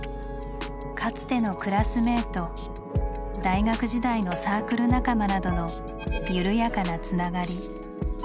かつてのクラスメート大学時代のサークル仲間などのゆるやかなつながり。